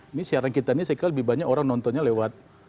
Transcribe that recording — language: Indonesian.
ini siaran kita ini saya kira lebih banyak orang nontonnya lewat